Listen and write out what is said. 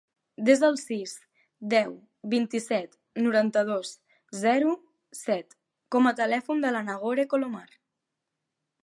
Desa el sis, deu, vint-i-set, noranta-dos, zero, set com a telèfon de la Nagore Colomar.